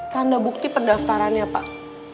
tanda bukti pendaftarannya pak